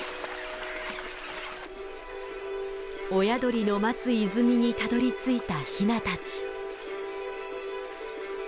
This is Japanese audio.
親鳥の待つ泉にたどりついたヒナたち。